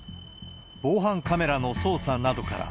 防犯カメラの操作などから、